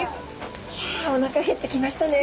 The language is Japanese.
ひゃおなか減ってきましたね。